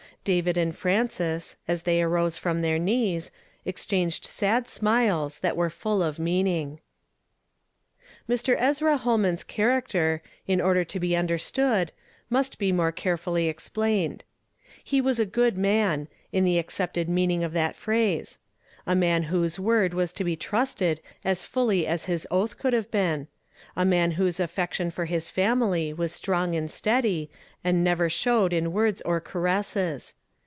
David and Frances, as they arose from their knees, exchanged sad smiles that were full of meaning. JNIr. Ezra Holman's character, in order to be un derstood, must be more carefully explained. lie was a good man, in the accepted meaning of that phrase ; a man whose Avord was to l)e trusted as fully as his oath could have been ; a man whose affection for his family was strong and steady, and never showed in words or caresses.